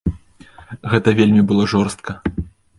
Гэта вельмі было жорстка.